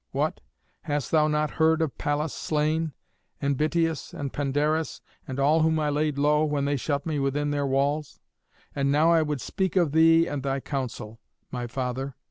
What? hast thou not heard of Pallas slain, and Bitias and Pandarus, and all whom I laid low when they shut me within their walls? And now I would speak of thee and thy counsel, my father.